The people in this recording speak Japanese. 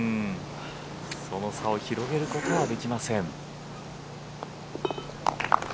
その差を広げることはできません。